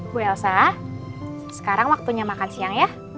bu elsa sekarang waktunya makan siang ya